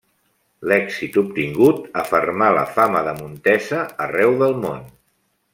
L'èxit obtingut afermà la fama de Montesa arreu del món.